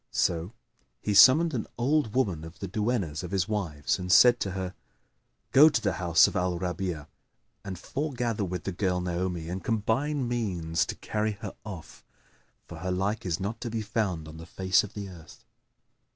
So he summoned an old woman of the duennas of his wives and said to her, "Go to the house of Al Rabi'a and foregather with the girl Naomi and combine means to carry her off; for her like is not to be found on the face of the earth."